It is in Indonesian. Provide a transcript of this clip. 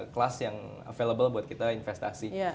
kelas yang available buat kita investasi